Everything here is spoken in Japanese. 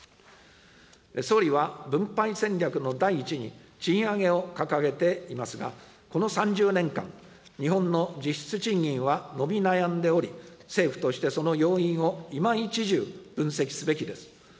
総理は、分配戦略の第一に、賃上げを掲げていますが、この３０年間、日本の実質賃金は伸び悩んでおり、政府としてその要因を今一重、分析すべきです。